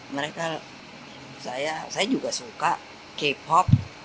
mereka saya juga suka k pop